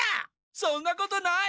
そんなことない！